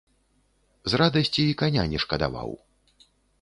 З радасці і каня не шкадаваў.